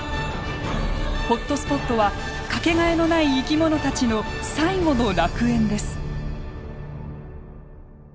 ホットスポットは掛けがえのない生き物たちの最後の楽園です。